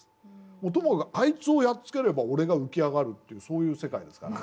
もうともかくあいつをやっつければ俺が浮き上がるというそういう世界ですから。